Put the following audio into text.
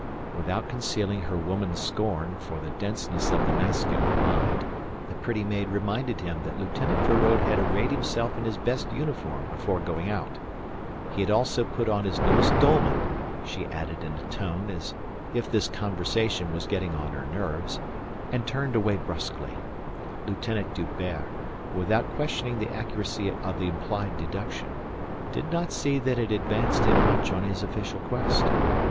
Without concealing her woman's scorn for the denseness of the masculine mind, the pretty maid reminded him that Lieutenant Feraud had arrayed himself in his best uniform before going out. He had also put on his newest dolman, she added in a tone as if this conversation were getting on her nerves and turned away brusquely. Lieutenant D'Hubert, without questioning the accuracy of the implied deduction, did not see that it advanced him much on his official quest.